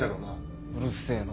うるせえな。